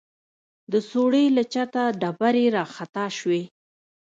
د سوړې له چته ډبرې راخطا سوې.